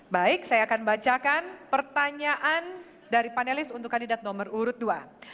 baik saya akan bacakan pertanyaan dari panelis untuk kandidat nomor urut dua